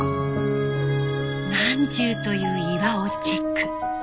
何十という岩をチェック。